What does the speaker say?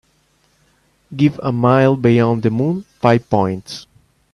Give A Mile Beyond the Moon five points